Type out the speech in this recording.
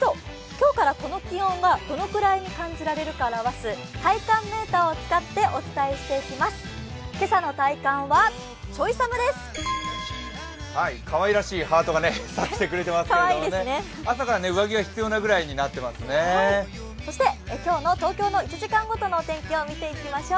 今日からこの気温がどのくらいに感じられるか表す体感メーターを使ってお伝えしていきます。